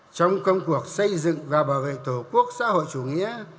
trong công cuộc xây dựng và bảo vệ tổ quốc xã hội chủ nghĩa